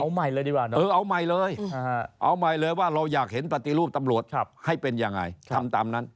เอาใหม่เลยดีกว่านะเออเอาใหม่เลยเอาใหม่เลยว่าเราอยากเห็นปฏิรูปตำรวจให้เป็นยังไงทำตามนั้น